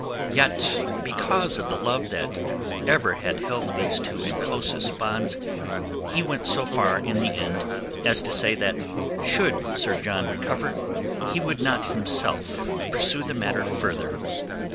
Yet because of the love that ever had held these two in closest bonds he went so far in the end as to say that should Sir John recover he would not himself pursue the matter further.